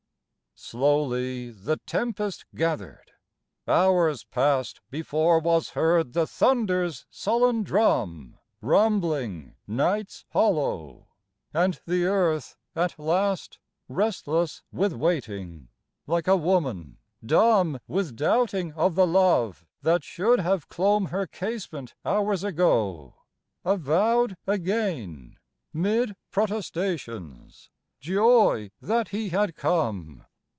Slowly the tempest gathered. Hours passed Before was heard the thunder's sullen drum Rumbling night's hollow; and the Earth at last, Restless with waiting, like a woman, dumb With doubting of the love that should have clomb Her casement hours ago, avowed again, 'Mid protestations, joy that he had come.